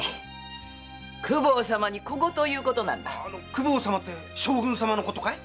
「公方様」って将軍様のことかい？